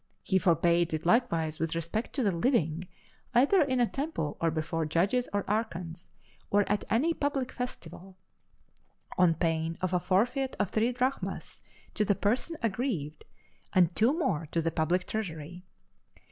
He forbade it likewise with respect to the living, either in a temple or before judges or archons, or at any public festival on pain of a forfeit of three drachmas to the person aggrieved, and two more to the public treasury.